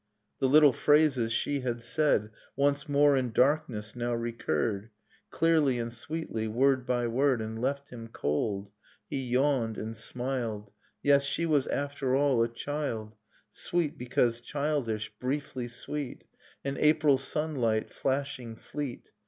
... The little phrases she had said Once more in darkness now recurred, Clearly and sweetly, word by word, — And left him cold ... He yawned and smiled Yes, she was after all a child, — Sweet because childish, briefly sweet, — An April sunlight, flashing fleet